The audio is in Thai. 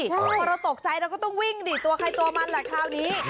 พอเราตกใจเราก็ต้องวิ่งดิตัวใครตัวมันแหละคราวนี้